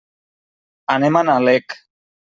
Anem a Nalec.